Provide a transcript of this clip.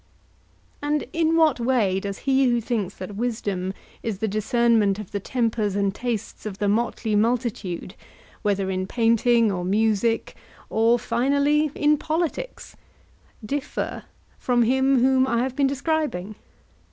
And in what way does he who thinks that wisdom is the discernment of the tempers and tastes of the motley multitude, whether in painting or music, or, finally, in politics, differ from him whom I have been describing?